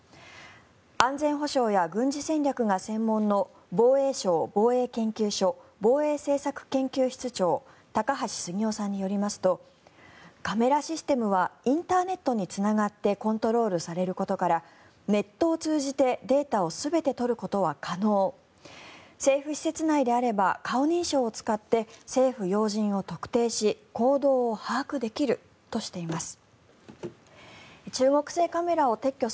安全保障や軍事戦略が専門の防衛省防衛研究所防衛政策研究室長高橋杉雄さんによりますとカメラシステムはインターネットにつながってコントロールされることからネットを通じてデータを全て取ることは可能政府施設内であれば顔認証を使って政府要人を特定し行動を把握できるとしています。